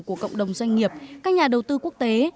của cộng đồng doanh nghiệp các nhà đầu tư quốc tế